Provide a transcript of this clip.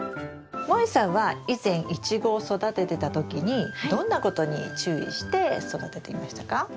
もえさんは以前イチゴを育ててた時にどんなことに注意して育てていましたか？